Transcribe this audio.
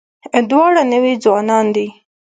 دواړه نوي ځوانان دي.